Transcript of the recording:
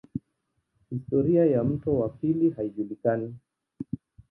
Historia ya mto wa pili haijulikani.